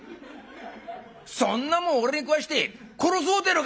そんなもん俺に食わして殺そうってえのか！」。